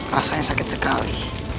rasanya sakit sekali